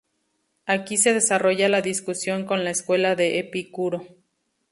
Aquí se desarrolla la discusión con la escuela de Epicuro.